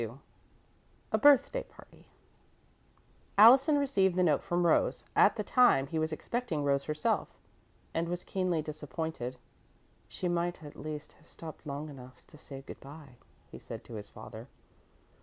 XXII A BIRTHDAY PARTY Allison received the note from Rose at the time he was expecting Rose herself, and was keenly disappointed. "She might at least have stopped long enough to say good bye," he said to his father.